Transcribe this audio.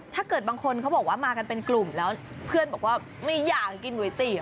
ถ้าเกิดบางคนเขาบอกว่ามากันเป็นกลุ่มแล้วเพื่อนบอกว่าไม่อยากกินก๋วยเตี๋ยว